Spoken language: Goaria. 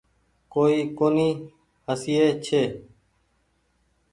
ڪوئي ڪونيٚ هسئي ڇي۔